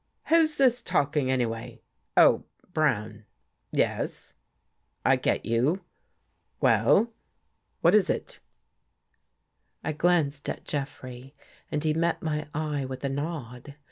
" Who's this talking, anyway. Oh, Brown — yes — I get you. Well, what is it? " 147 THE GHOST GIRL I glanced at Jeffrey and he met my eye with a nod.